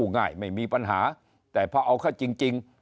ง่ายไม่มีปัญหาแต่พอเอาเข้าจริง